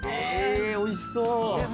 えおいしそう。